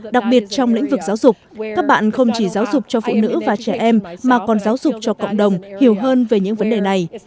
đặc biệt trong lĩnh vực giáo dục các bạn không chỉ giáo dục cho phụ nữ và trẻ em mà còn giáo dục cho cộng đồng hiểu hơn về những vấn đề này